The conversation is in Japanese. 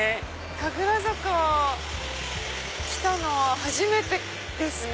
神楽坂来たのは初めてですね。